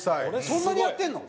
そんなにやってるの？